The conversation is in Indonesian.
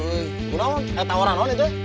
gagal eh tau orang apa itu